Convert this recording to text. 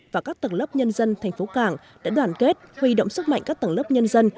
và các tầng lớp nhân dân tp hải phòng đã đoàn kết huy động sức mạnh các tầng lớp nhân dân